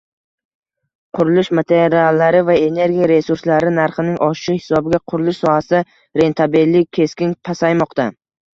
Qurilish materiallari va energiya resurslari narxining oshishi hisobiga qurilish sohasida rentabellik keskin pasaymoqda